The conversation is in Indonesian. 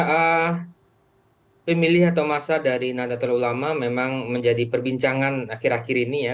ya pemilih atau masa dari nadatul ulama memang menjadi perbincangan akhir akhir ini ya